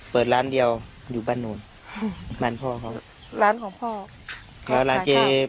เปิดร้านเดียวอยู่บ้านโนนอืมบ้านพ่อเขาร้านของพ่อเขาร้านเจ๊